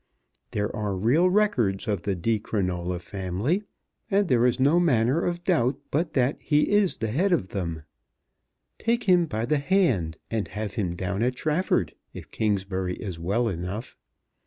There are real records of the Di Crinola family, and there is no manner of doubt but that he is the head of them. Take him by the hand, and have him down at Trafford if Kingsbury is well enough.